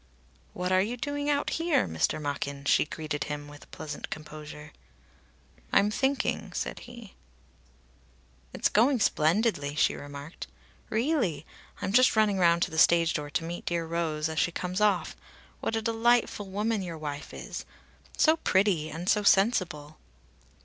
"What are you doing out here, Mr. Machin?" she greeted him with pleasant composure. "I'm thinking," said he. "It's going splendidly," she remarked. "Really! I'm just running round to the stage door to meet dear Rose as she comes off. What a delightful woman your wife is! So pretty, and so sensible!"